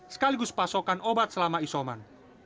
sekaligus pasokan obat selama isoman